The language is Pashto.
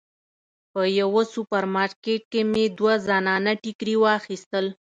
په یوه سوپر مارکیټ کې مې دوه زنانه ټیکري واخیستل.